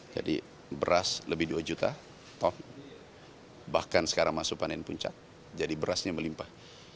jadi beras lebih dua juta ton bahkan sekarang masuk panen puncak jadi berasnya melimpah